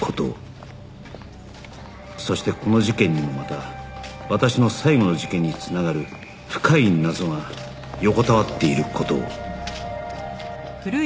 そしてこの事件にもまた私の最後の事件に繋がる深い謎が横たわっている事を